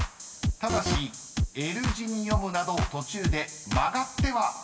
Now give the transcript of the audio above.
［ただしＬ字に読むなど途中で曲がってはいけません］